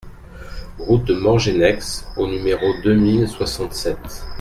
Route de Morgenex au numéro deux mille soixante-sept